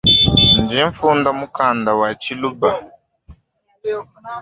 Ndinfunda mukanda wa tshiluba.